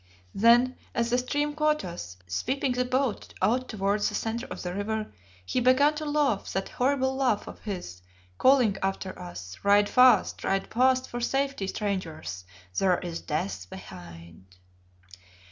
Then as the stream caught us, sweeping the boat out towards the centre of the river, he began to laugh that horrible laugh of his, calling after us "Ride fast, ride fast for safety, strangers; there is death behind."